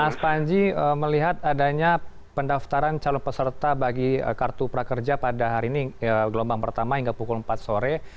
mas panji melihat adanya pendaftaran calon peserta bagi kartu prakerja pada hari ini gelombang pertama hingga pukul empat sore